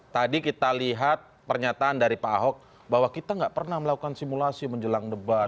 tadi kita lihat pernyataan dari pak ahok bahwa kita nggak pernah melakukan simulasi menjelang debat